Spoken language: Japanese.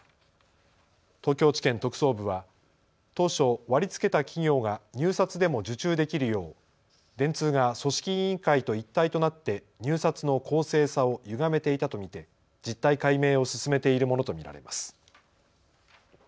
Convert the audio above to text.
東京地検特捜部は当初、割り付けた企業が入札でも受注できるよう電通が組織委員会と一体となって入札の公正さをゆがめていたと見て実態解明を進めているものと見られます。